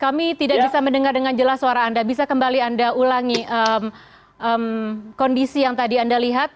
kami tidak bisa mendengar dengan jelas suara anda bisa kembali anda ulangi kondisi yang tadi anda lihat